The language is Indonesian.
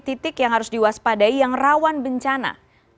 ada titik titik yang harus diwaspadai yang rawan bencana